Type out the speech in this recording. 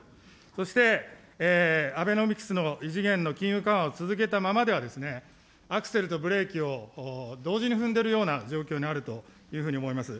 そしてアベノミクスの異次元の金融緩和を続けたままではアクセルとブレーキを同時に踏んでいるような状況にあるというふうに思います。